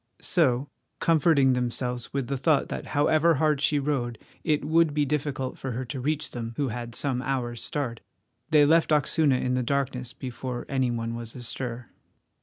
So, comforting themselves with the thought that however hard she rode it would be difficult for her to reach them, who had some hours' start, they left Oxuna in the darkness before any one was astir.